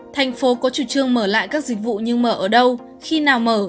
thành phố có chủ trương mở lại các dịch vụ như mở ở đâu khi nào mở